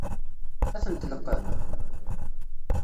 Ad ten-tleqqem?